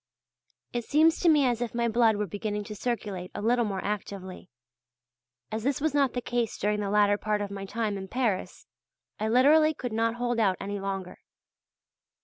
It seems to me as if my blood were beginning to circulate a little more actively. As this was not the case during the latter part of my time in Paris, I literally could not hold out any longer.